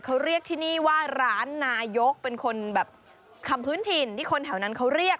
เขาเรียกที่นี่ว่าร้านนายกเป็นคนแบบคำพื้นถิ่นที่คนแถวนั้นเขาเรียก